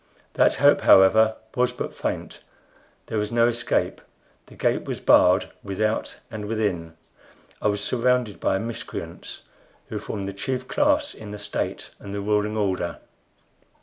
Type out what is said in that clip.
That hope, however, was but faint. There was no escape. The gate was barred without and within. I was surrounded by miscreants, who formed the chief class in the state and the ruling order.